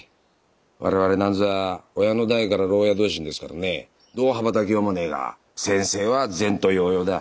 我々なんぞは親の代から牢屋同心ですからねどう羽ばたきようもねえが先生は前途洋々だ。